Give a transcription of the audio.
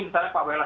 misalnya pak wola